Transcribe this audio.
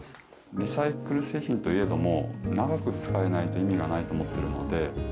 リサイクル製品といえども、長く使えないと意味がないと思っているので。